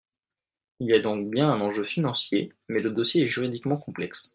Il y a donc bien un enjeu financier, mais le dossier est juridiquement complexe.